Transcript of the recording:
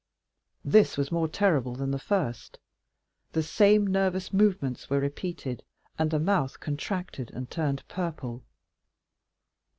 This was more terrible than the first; the same nervous movements were repeated, and the mouth contracted and turned purple."